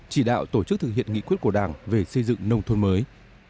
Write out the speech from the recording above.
chỉ đạo tổ chức thực hiện nghị quyết của đảng về xây dựng nông thôn mới